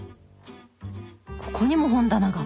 ここにも本棚が！